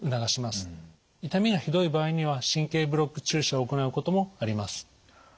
痛みがひどい場合には神経ブロック注射を行うこともあります。